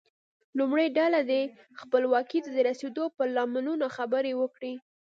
لومړۍ ډله دې خپلواکۍ ته د رسیدو پر لاملونو خبرې وکړي.